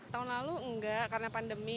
tahun lalu enggak karena pandemi